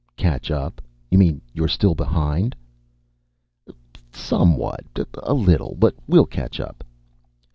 "Catch up? You mean you're still behind?" "Somewhat. A little. But we'll catch up."